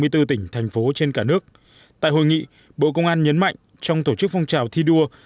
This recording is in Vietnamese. hai mươi bốn tỉnh thành phố trên cả nước tại hội nghị bộ công an nhấn mạnh trong tổ chức phong trào thi đua